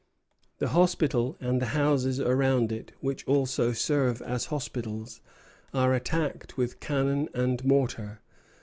The hospital and the houses around it, which also serve as hospitals, are attacked with cannon and mortar.